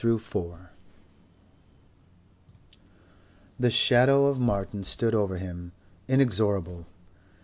Section 2 The shadow of Martin stood over him, inexorable.